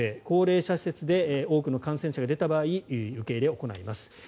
高齢者施設で多くの感染者が出た場合受け入れを行います。